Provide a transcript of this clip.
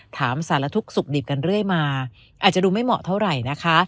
สารทุกข์สุขดิบกันเรื่อยมาอาจจะดูไม่เหมาะเท่าไหร่นะคะ